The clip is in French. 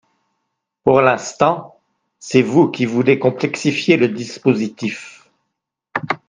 Pour l’instant, c’est vous qui voulez complexifier le dispositif